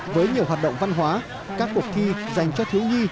với nhiều hoạt động văn hóa các cuộc thi dành cho thiếu nhi